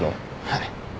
はい。